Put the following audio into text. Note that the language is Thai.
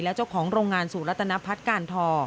และเจ้าของโรงงานสู่รัตนพัฒน์การทอ